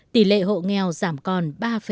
tỷ lệ hộ nghèo giảm còn ba chín